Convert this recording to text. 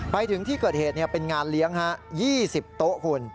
ไปถึงที่เกิดเหตุเป็นงานเลี้ยง๒๐โต๊ะคุณ